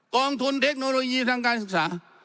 กองทุนเทคโนโลยีทางการศึกษา